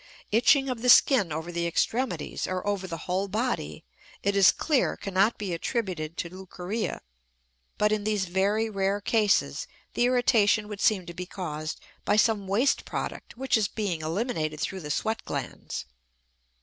Itching of the skin over the extremities or over the whole body, it is clear, cannot be attributed to leucorrhea, but in these very rare cases the irritation would seem to be caused by some waste product which is being eliminated through the sweat glands.